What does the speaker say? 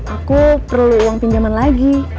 aku perlu uang pinjaman lagi